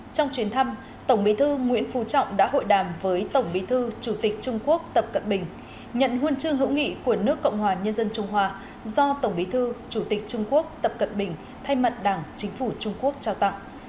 trong chuyến thăm tổng bí thư nguyễn phú trọng đã hội đàm với tổng bí thư chủ tịch trung quốc tập cận bình nhận huân chương hữu nghị của nước cộng hòa nhân dân trung hoa do tổng bí thư chủ tịch trung quốc tập cận bình thay mặt đảng chính phủ trung quốc trao tặng